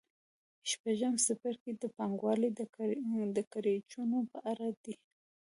شپږم څپرکی د پانګوالۍ د کړکېچونو په اړه دی